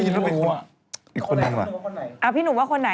อุ๊ยไม่รวยหรอไม่คนนี้ยังไม่ได้แปรพักยังไง